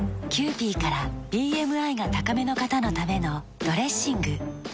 キユーピーからＢＭＩが高めの方のためのドレッシング。